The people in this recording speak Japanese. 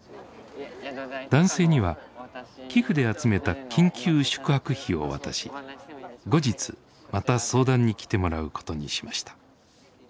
男性には寄付で集めた緊急宿泊費を渡し後日また相談に来てもらうことにしました。